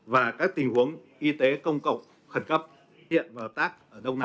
và các tình huống y tế công cộng khẩn cấp hiện và tác ở đông nam á